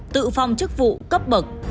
tự phong chức vụ cấp bậc